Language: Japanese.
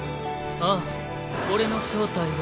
ああ俺の正体は。